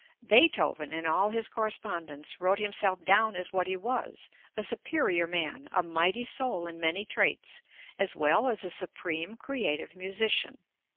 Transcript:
Beethoven in all his correspondence wrote himself down as what he was, a superior man, a mighty soul in many traits, as well as a supreme creative musician.